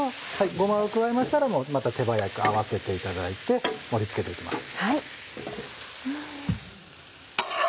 ごまを加えましたらまた手早く合わせていただいて盛り付けて行きます。